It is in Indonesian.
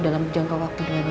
laper banget lagi